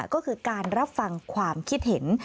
ก็คือการรับฟังความคิดเห็น